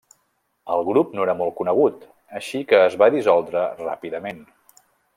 El grup no era molt conegut, així que es va dissoldre ràpidament.